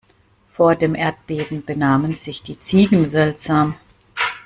Vor dem Erdbeben benahmen sich die Ziegen seltsam.